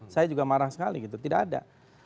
saya juga marah sekali gitu tidak ada